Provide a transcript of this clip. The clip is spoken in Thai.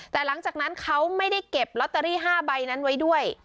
แต่หลังจากนั้นเขาไม่ได้เก็บลอตเตอรี่๕ใบนั้นไว้ด้วย